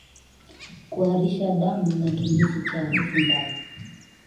Kuharisha damu na kinyesi cha harufu mbaya